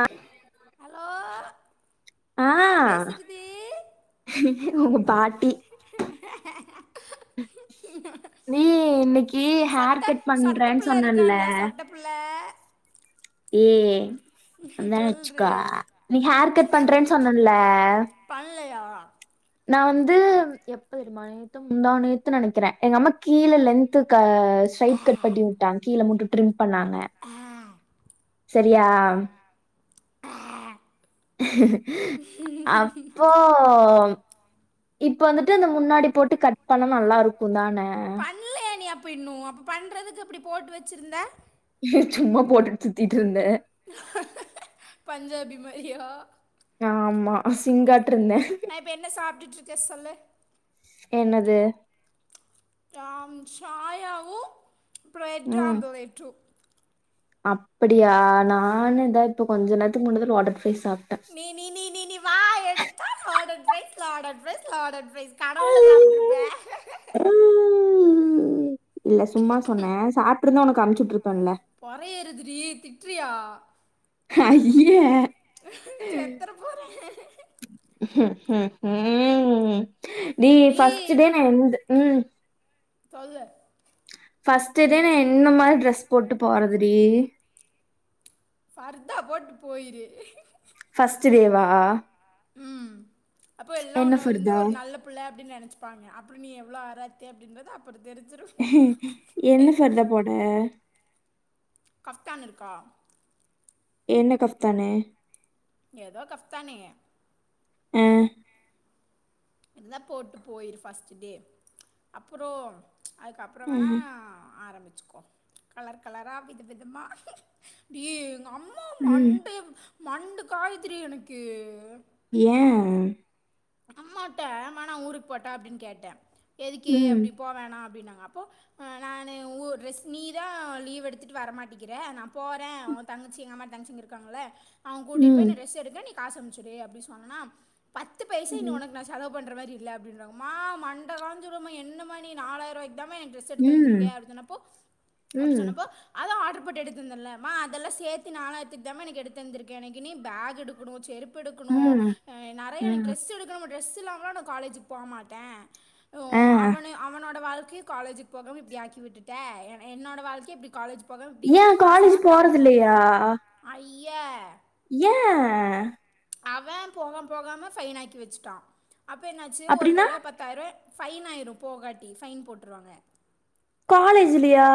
அ hello யார் பேஸ்றது உங்க பாட்டி நீ இன்னைக்கு ஹேர் கட் பண்றன்னு சொன்னல புல்ல ஏ அந்தா சொல்றி ஆச்சுக்கா நீ ஹேர் கட் பண்றேன்னு சொன்னல பண்லயா நா வந்து எப்போ தெரிமா நேத்தா முந்தா நேத்துனு நெனைக்றே எங்கம்மா கீழே லென்து கா ஸ்ட்ரைட் கட் பண்ணி வுட்டாங் கீழ மட்டு ட்ரிம் பண்ணாங்க சரியா அப்போ இப்ப வந்துட்டு அந்த முன்னாடி போட்டு கட் பண்ண நல்லாருக்கு தானே பண்லைய நி அப்ப இன்னு அப்ப பண்றதுக் அப்டி போட்டு வெச்சிருந்தே எ சும்மா போட்டுட் சுத்திட்டுருந்தே பஞ்சாபி மாரியா ஆமா சிங்கா நா இப்ப என்ன சாப்ட்டுட்டு இருக்கே சொல்லு என்னது நாம் சாயாவு பிரெட் ஆம்லேட்டு அப்புடியா நானு இதா இப்ப கொஞ்சொ நேரத்துக்கு முன்னாடிதா லாட் அட்வேஸ் சாப்ட்ட நீ நீ நீ நீ நீ வா எடுத்தா lot advice lot advice lot advice கனவுல சாப்ட்டுருப்பே இல்ல சும்மா சொன்னே சாப்ட்டுருந்தா உனக்கு அமுச்சு வுட்டிருப்பேன்ல பொறையேறுதுடி திட்றியா அய்யே செத்தற போறே ம் நீ ஃபஸ்ட் டேய் டே நா எந்து ம் சொல்லு ஃபர்ஸ்ட் டே நா என்ன மார் ட்ரெஸ் போட்டு போறதுடி பர்தா போட்டு போயிரு ஃபஸ்ட் டேவா ம் அப்போ எல்லா என்ன உன்ன வந்து ஃபர்தா ஒரு நல்ல புள்ள அப்டின்னு நெனைச்சப்பாங்க அப்றோ நீ எவ்ளோ ஆராத்தி அப்டின்றது அப்பறோ தெரிஞ்சுரு என்ன பர்தா போட கஃப்தான் இருக்கா என்ன கஃப்தான் ஏதோ கஃப்தானு ம் இருந்தா போட்டு போயிரு ஃபஸ்ட் டே அப்புறோ அதுக்கப்றோ ஆ, வேணா ஆரம்பிச்சுக்கோ கலர் கலரா வித விதமா டி எங்க அம்மா ம் மண்டே மண்ட காய்துடி எனக்கு ஏ அம்மாட்ட ம்மா நா ஊருக்கு போட்டா அப்டின்னு கேட்டே எதுக்கே ம் அப்டி போ வேணா அப்டின்னாங்க அப்போ ஆ நானு உ ட்ரெஸ் நீதா லீவ் எடுத்துட்டு வர மாட்டிக்கிற நா போறே ஒ தங்கச்சி எங்கம்மாட தங்கச்சிங்க இருக்காங்கள அவங்க கூட்டிட்டு ம் போய் ட்ரெஸ் எடுக்க நீ காசு அம்ச்சுடு அப்டி சொன்னனா த்து பைசா இனி ம் உனக்கு நா செலவு பண்ற மாரி இல்ல அப்டின்றாங்க ம்மா மண்ட காஞ்சுருமா என்னமா நீ நாலாயிருவாய்க் குதாமா எனக் டிரெஸ் எடுத்து தந்திருக்க ம் அப்டி சொன்னப்போ அப்டி ம் சொன்னப்போ அதா ஆட்ரு போட்டு எடுத் தந்தன்ல ம்மா அதெல்லா சேத்து நாலாயிரத்துக்தாமா எனக்கு எடுத் தந்துருக்கே எனக் இனி பேக் எடுக்கணு செருப் பு எடுக்கணு ம் அ நெறையா எனக்கு ம் ட்ரெஸ் எடுக்கமா டிரெஸ் இல்லாமலா நா காலேஜீக்கு போக மாட்டே உ ஆ அவனயு அவனோட வாழ்க்கை காலேஜ்க்கு போகாம இப்டி ஆக்கி விட்டுட்டே என் என்னோட வாழ்க்கை இப்டி காலேஜ் போகாமல் இப்படி ஏ காலேஜ் போறதுலையா அய்யே ஏ அவே போகாம போகாம பைன் ஆக்கி வச்சுட்டா அப்ப என்னாச்சு ஒரு அப்டின்னா தடவ பத் தாயிருவா பைன் ஆயிரு போகாட்டி பைன் போட்டுருவாங்க காலேஜ்லியா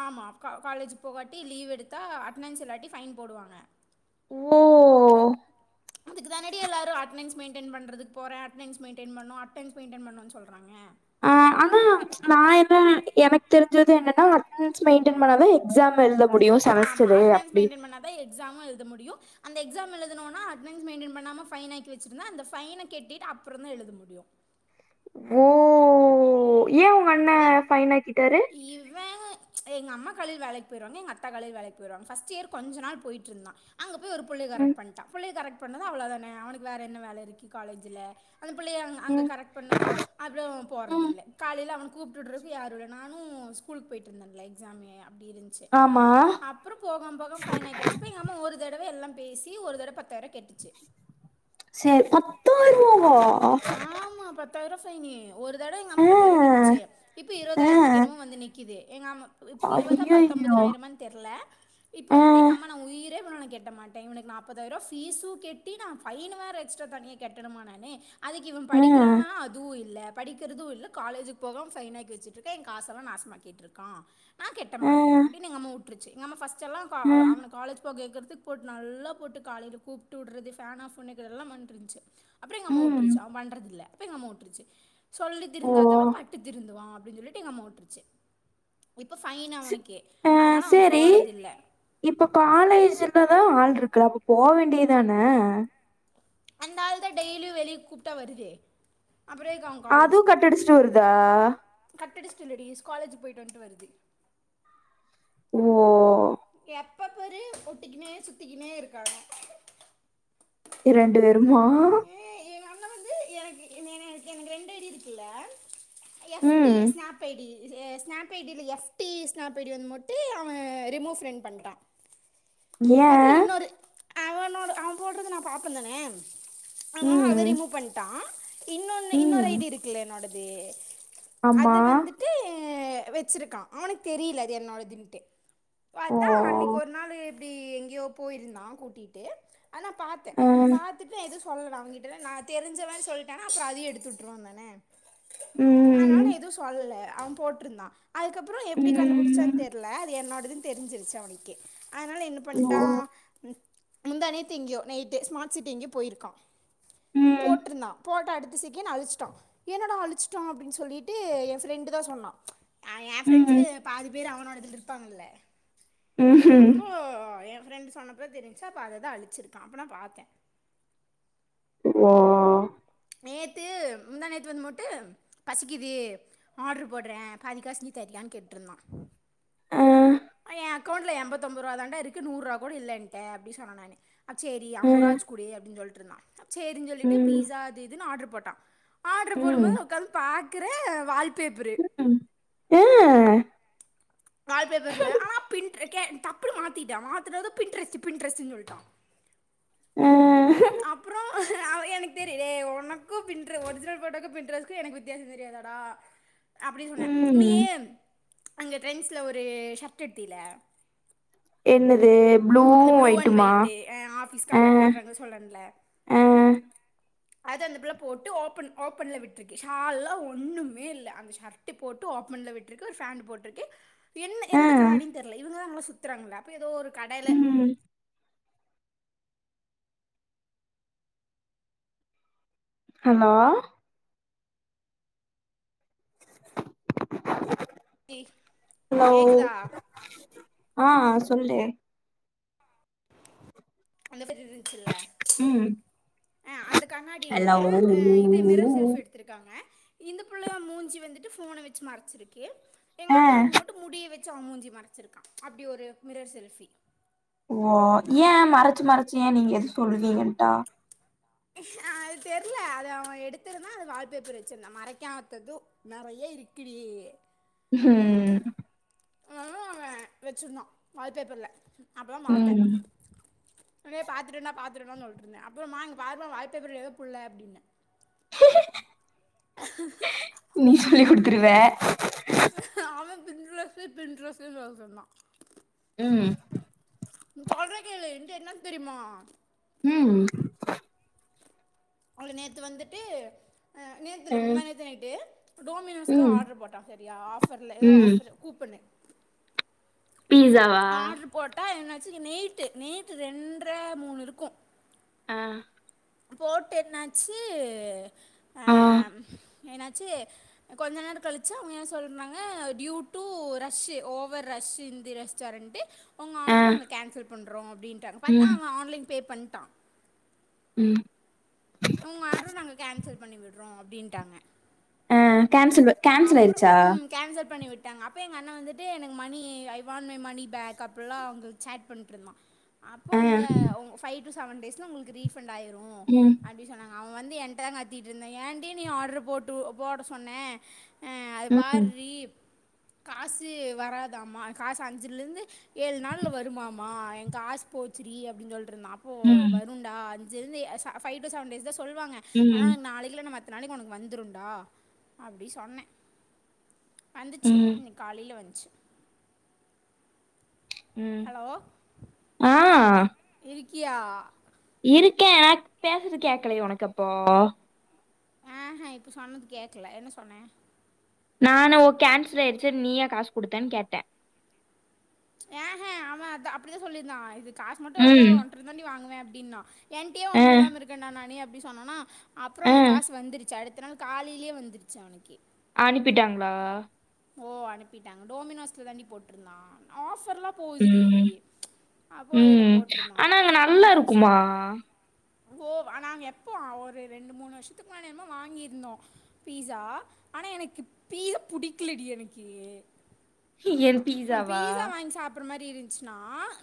ஆமா கா காலேஜ்க் போகாட்டி லீவ் எடுத்தா அட்னன்ஸ் இல்லாட்டி ஃபைன் போடுவாங்க ஓ இதுக்குதானடி எல்லாரு ட்னன்ஸ் மெயின்டைன் பண்றதுக் போற அட்னன்ஸ் மெயின்டென் பண்ணு அட்டன்ஸ் மெயின்டென் பண்ணுன் சொல்றாங்க ஆ ஆனா நா என்ன எனக் தெரிஞ்சது என்னன்னா ஸ் மெயின்டென் பண்ணாதா எக்ஸாம் எழுத முடியு செமஸ்டரு அப்டி தா எக்ஸாமு எழுத முடியு அந்த எக்ஸாம் எழுதனுனா அட்னன்ஸ் மெயிட்டென் பண்ணாம ஃபைனாக்கி வெச்சிருந்தா அந்த ஃபைன கெட்டிட் அப்புறந்தா எழுத முடியு ஓ ஏ உங்க அண்ணே ஃபைனாக்கிட்டாரு இவே எங்க அம்மா காலில் வேலைக் போயிருவாங்க எங்க அத்த காலைல் வேலைக் போய்ருவாங்க‌ ஃபஸ்ட் இயர் கொஞ்ச நாள் போயிட்ருந்தா அங்கே போய் ஒரு புள்ளய ம் கரெக் பண்ட்டா புள்ளய கரக்ட் பண்ணது அவ்வளதான அவனுக்கு வேறென்ன வேல இருக்கு காலேஜில்ல அந்த புள்ளய அ அங்க ம் கரெக்ட் பண்ணது அப்றோ ம் போறதில்ல காலில அவனுக் கூப்ட் உட்றக்கு யாருல்ல நானு ஸ்கூலுக்கு போயிட்ருந்தேல எக்ஸாமு அப்டி இருந் ச்சு ஆமா அப்புறோ போகாம் போகாம் ஃபைன் ஆக்கி வெச்சு அப்ப எங்க அம்மா ஒரு தடவ எல்லாம் பேசி ஒரு தடவ பத்தாய்ருவ கட்டுச்சு செர் பத்தாயிருவாவா ஆமா பத்தாயிருவா ஃபைனு ஒரு தடவ எங்க ஆ அம்மா பத்தாயிருவ கட்டுச்சே இப்போ ஆ இருபதாயிரத்துக்கு என்னமோ வந்து நிக்குது எங்க அம்மா இப்ப இருவதா ஐயையோ பத்தொம்பதனாயிரமான் தெர்ல இப்ப ஆ வந்துட்டு எங்க அம்மா நா உயிரே போனாலு நா கெட்ட மாட்டே இவனுக் நாப்பதாய்ர்வா ஃபீஸு கெட்டி நா ஃபைனு வேற எக்ஸ்ட்ரா தனியா கெட்டணுமா நானு அதுக்கு இவன் ஆ படிக்கிறானா அதுவு இல்ல படிக்கிறிது இல்ல காலேஜுக் போகாம ஃபைன் ஆக்கி வெச்சுட்டுருக்க எ காசெல்லா நாசமாக்கிட்டுருக்கா நா கெட்ட மாட்ட ஆஹ் அப்டினு எங்கம்மா உட்ருச்சு எஙகம்மா ஃபஸ்டெல்லா க அ ஆஹ் அவனுக் காலேஜ் போக கேக்கற்துக் போட்டு நல்லா போட்டு காலையில கூப்ட்டு உட்றது ஃபேன் ஆஃபண் வெக்கறதெல்லாம் பண்ணிட்ருந்ச்சு அப்பற எங்கம்மா உட் உம் பண்றதில்ல‌ இப்ப எங்க அம்மா உட்ருச்சு சொல்லி ஓ திருந்தாதவ பட்டு திருந்துவா அப்டின் சொல்லிட்டு எங்கம்மா உட்ரு ச்சு இப்ப ஃபைன் சி- அவனுக்கு ஆஹ் அதனால அவ சரி போறதில்ல இப்ப காலேஜிலதா ஆள்ட்ருக்கு அப்ப போ வேண்டியதான அந்தாள்தா டெய்லியு வெளிய கூப்ட்டா வருதே அப்பற எதுக் அவுங் அது கட்டடிச்சுட்டு வருதா கட்டடிஷ்ட் இல்லடி ஸ்காலேஜு போய்ட்டு வந்ட்டு வருது ஓ எப்பபாரு ஒட்டிக்கினே சுத்திக்கினே இருக்காங்க ரெண்டு பேருமா எ எங்க அண்ணே வந்து எனக்கு என எ எ எனக்கு ரெண்டு அரிய ருக்குல்ல எஸ் டீ ம் ஸ்நாப் கேடி அ ஸ்நாப் ஐடில் எஃப்டி ஸ்நாப்ஐடிலந்து மட்டு அவ ரிமூவ் ஃப்ரெண் பண்ட்டா பாத்தா ஏன் இன்னொரு அவனோட அவ போட்றது நா பாப்பந்தானே அதனால அத ம் ரிமூ பண் டா இன்னொன்னு இன்னொரு ம் ஐடி இருக்குல்ல என்னோடது ஆமா அது வந்து ட்டு வெச்சிருக்கா அவனுக்கு தெரியில அது என்னோடதுன்ட்டு ஓ பாத்தா அன்னிக்கு ஒரு நாளு இப்டி எங்யோ போயிருந்தா கூட்டிட்டு ஆனா பாத்தே அஹ், பாத்துட்டு எது சொல்ல அவங்கிட்ட நா தெரிஞ்சவேன் சொல்ட்டனா அப்புறோ அதையு எடுத்துட்ருவாந்தான ஆனாலு நா ம் எதுவு சொல்லல அவ போட்ருந்தா அதுக்கப்புறோ எப்டி கண்டுப்புடிச்சான் ம் தெர்ல அது என்னோடதுன் தெரிஞ்சிருச்சு அவனுக்கு அதனால என்ன ஓ பண்ட்டா முந்தாநேத்து எங்கியோ நேத்து ஸ்மார்ட் சிட்டி எங்கியோ போயிருக்கான் ம் போட்டுருந்தா போட்டா அடுத் த செக்கேண் அழிச்சிட்டா என்னாடா அழிச்சிட்டான் அப்டின் சொல்லிட்டு என் ஃப்ரெண்டு தா சொன்னான் ஆ என் ஃப்ரெண்ட்ஸு ம் பாதி பேரு அவனோடதுல இருப்பாங்கல ம் அப்போ என் ஃப்ரெண்டு சொன்னப்போ தெரிஞ்சிச்சி அப்போ அத தான் அழிச்சிருக்கேன் அப்ப நா பாத்தேன் ஓ நேத்து முந்தா நேத்து வந்து மோட்டு பசிக்குது ஆடரு போடுறேன் பாதிக்காசு நீ தரியான்னு கேட்டுருந்தான் அஹ், ஆ என் அக்கௌண்ட்ல எம்பத்தொம்பது ரூபா தாண்ட இருக்கு நூறுரூபா கூட இல்ல என்ட்ட அப்டி சொன்ன நானு செரி அஹ், அம்பரூபாயாச்சி குடு அப்டின் சொல்ட்டு இருந்தான் சேரின் சொல்லிட்டு ம் பீஸா அது இதுன்னு ஆடர் போட்டான் ஆடரு ம் போடும்போது உக்காந்து பாக்கறேன் வால் பேப்பரு ம் அ வால்பேப்பர்ல ஆனா பின்ட் கே டப்புனு மாத்திகிட்டான் மாத்தனது பின் ட்ரெஸ்ட்டு பின் ட்ரெஸ்ட்டுன் சொல்ட்டான் ஆ அப்புறம் அவன் எனக்கு தெரியலே ஒனக்கும் பின்ட்ர ஒரிஜினல் போட்டோக்கும் பின்ட்ரெஸக்கும் எனக்கு வித்தியாசம் தெரியாதாடா அப்டி சொன்னே ம். நீயி அங்க ட்ரெண்ட்ஸ்ல ஒரு ஷட்ட எடுத்தில்ல என்னுது அந்த ப்ளூ அண்ட் ஒயிட்டு் ஆ ஆ ஆஃபீஸ்கார போடறாங்க சொல்றன் இல்ல ஆ அது அந்த புள்ள போட்டு ஓபன் ஓபன்ல விட்டுருக்கு ஷால்லா ஒண்ணுமே இல்ல அந்த ஷட் டு போட்டு ஓப்பன்ல விட்டுருக்கு ஒரு ஃபேன்ட்டு போட்டுருக்கு என்ன ஆ எந்த கண்ணாடின்னு தெர்ல இவங்க தான் நல்லா சுத்தறாங்க இல்ல அப்போ எதோ ஒரு கடைல ம். ஹலோ தீ ஹலோ ஆ சொல்லு அந்த பேரு இருண்ச்சில்ல ம். ஆ அந்த கண்ணாடியில ஹலோ? ஆ இது மிரர் செல்பி எடுத் துருக்காங்க இந்த பிள்ளையு மூஞ்சி வந்துட்டு போன வச்சி மறச்சிருக்கு எங்க ஆ அண்ணா வந்து முட் டு முடிய வச்சி அவன் மூஞ்சி மறச்சிருக்கான் அப்டி ஒரு மிரர் செல்பி ஓ ஏன் மறச்சி மறச்சி ஏன் நீங்க எது சொல்லுவீங்கன்ட்டா அது தெர்ல அது அவன் எடுத்திருந்தான் அது வால்பேப்பர் வச்சிருந்தான் மறைக்காத்தது நறையா இருக்குடி ஹம் ஆ வச்சிருந்தான் வால் பேப்பர்ல அப்பதான் பாத்தன் ம். டே பாத்துட்டுன்னா பாத்துட்டுன்னா சொல்ட்டு இருந்தன் அப்பறமா இங்க பாருமா வால் பேப்பர்ல எதோ புள்ள அப்டின்ன நீ சொல்லி் குடுத்துருவ அவன் பின்ட்ரஸ்ஸு பின்ட்ரஸ்ஸு சொல்ட்டுருந்தான் ம் சொல்ற கேளு என்ட்ட என்னா தெரியுமா ம் அவள நேத்து வந்துட்டு ஆ நேத்து அ இல்ல முந்தாநேத்து நைட்டு டோமினோஸில ம். ஆடர் போட்டான் சரியா ஆஃபர்ல எதோ ம். ஆஃபர் கூப்பனு பீஸாவா போட்டா என்னாச்சி நெயிட்டு நெயிட்டு ரெண்ற மூணு இருக்கும் ஆ போட்டு என்னாச்சி ஆ என்னாச்சி கொஞ்ச நேரம் கழிச்சி அவங்க என்ன சொல்றாங்க யூடு rush over rush Hindi rush ச்சருன்ட்டு உங்க ஆ ஆடர நாங்க கேன்சல் பண்ணுறோ அப்டின்டாங்க பாத்தா ம் அவுங்க ஆன்லைன் பே பண்ட்டா ம் உங்க ஆட்ர நாங்க கேன்சல் பண்ணி விட்றோ அப்டின்டாங்க ஆ கான்சலு அப்புறோ உம் கேன்சல் பண்ணி விட்டாங்க அப்போ எங்க அண்ண வந்துட்டு எனக்கு money I want my money back அப்படிலா அவுங்களுக் சாட் பண்ட்டுருந்தா அப்போ அவுங்க உங்க ஃபைவ் டு செவன் டேஸ்ல உங்களுக்கு ரீஃபண்ட் ஆயிரு அப்டி சொன்னாங்க அவ வந்து என்ட்ட தா கத்திட்டு இருந்த ஏன்டி நீ ஆர்ட்ரு போட்டு போட சொன்ன ஆ அது பார்ரி காசு வராதாம்மா காசு அஞ்சுலிருந்து ஏழு நாள்ல வருமாமா எங் காசு போச்சுரி அப்டின் சொல் ருந்தா அப்போ வரும்ண்டா அஞ்சிலிருந்து ச பைவ் டு செவன் டேஸ் தா சொல்லுவாங்க ஆனா நாளைக்குளா நம்ம நாளைக்கு உனக்கு வந்துருன்டா அப்டி சொன்ன வந்துச்சு இன்னைக்கு காலையில வந்துச்சு ம். ஹலோ ஆ இருக்கியா இருக்கே பேசுறதுகேக்களையோ உனக்கு அப்போ ஆ ஆ இப்போ சொன்னது கேக்கல என்ன சொன்னே நானு ஓ கேன்சல் ஆயிடுச்சு நீயா காசு குடுத்தன்னு கேட்ட யேஹே அவ த அப்டித்தா சொல்லியிருந்தா இது காசு மட்டு வரலா ம் ஒன்ர தாண்டி வாங்குவே அப்டின்னுனா என்டையே ஆ ஒன்னுல்லம இருக்கேனா நானு அப்டி சொன்னோன்னா அப்புறம் ஆ அவனு காசு வந்துடுச்சி அடுத்த நாள் காலையிலயே வந்துடுச்சி அவனுக்கு அனுப்பிட்டாங்ளா ஓ அனுப்பிட்டாங்க டோமினோஸ்ல தாண்டி போட்டிருந்தா ஆஃபர்ல்லா போதுறி ம் அப்போ அதுல ம் போட்டிருந்தா ஆனா அவ அங்க கம்மி நல்லா காசுக்கு இருக்குமா கோ ஆனாங் எப்போ ஒரு ரெண்டு மூணு வருஷத்துக்கு முன்னாடி என்னமோ வாங்கியிருந்தோ பீஸா ஆனா எனக்கு பீஸா புடிக்கலடி எனுக்கு என் நா பீஸாவா பீஸா வாங்கி சாப்புற மாரி இரு ச்சுனா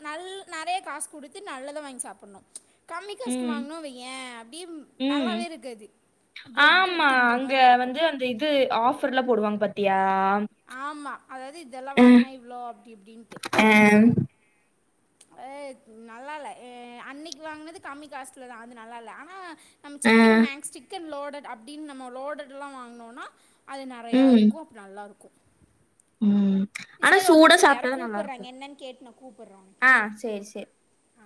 நல் நெறைய காசு குடுத்து நல்லதா வாங்கி சாப்புட்ணு கம்மி ம் காஸ்க்குவாங்குணோ வையே அப்டியே ம் நல்லாவே இருக்காது பிரெட்டு ஆமா திண்ற அங்க மாரி இருக்கு வந்து அந்த இது ஆஃப் பர் ல்லா போடுவாங்க பாத்தியா ஆமா அதாவது இதெல்லா ஆ வாங்குனா இவ்ளோ அப்டி இப்டின்ட்டு ஆ ம் ஹ நல்லா இல்ல அன்னைக்கு வாங்கினது கம்மி காஸ்ல தா அது நல்லா இல்ல ஆனா நம்ம ஆ சிக்கன் மேக்ஸ் சிக்கன் லோடட் அப்டின்னு நம்ம லோடட்ல்லா வாங்குனோனா அது நெறையா ம் இருக்கு நல்லாருக்கு ம் ஆனா செரி ஒரு சூடா நிம்ஷோ இரு யாரோ சாப்ட்டாதா நல்லாருக்கு கூப்பிடுறாங்க என்னன்னு கேட்டுனா கூப்புடுறோ வா உனக் ஆ செரி செரி அ